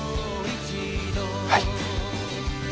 はい。